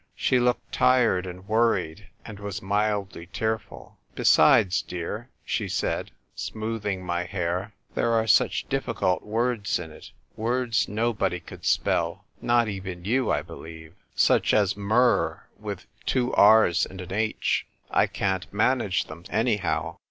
She looked tired and worried, and was mildly tearful. " Besides, dear," she said, smooth ing my hair, " there are such difficult words in it — words nobody could spell ; not even you, I believe — such as myrrh with two r's and an h. I can't manage them anyhow."